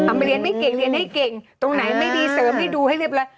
มันเรียนไม่เก่งเรียนให้เก่งตรงไหนไม่ดีเสริมให้ดูให้เรียบร้อย